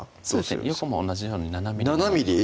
横も同じように７ｍｍの７ｍｍ？